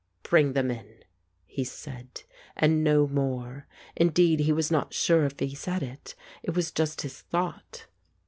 "Bring them in," he said, and no more. Indeed, he was not sure if he said it; it was just his thought.